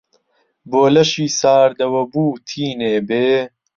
بۆ لەشی ساردەوە بوو تینێ بێ؟